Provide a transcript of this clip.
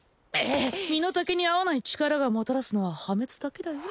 身の丈に合わない力がもたらすのは破滅だけだよ